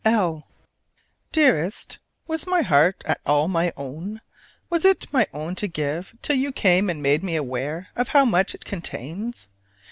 L. Dearest: Was my heart at all my own, was it my own to give, till you came and made me aware of how much it contains?